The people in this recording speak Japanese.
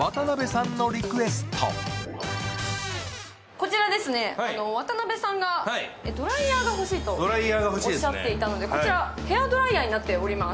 こちらですね、渡辺さんがドライヤーが欲しいとおっしゃっていたのでこちら、ヘアドライヤーになっております。